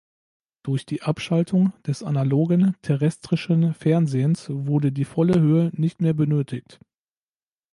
Durch die Abschaltung des analogen terrestrischen Fernsehens wurde die volle Höhe nicht mehr benötigt.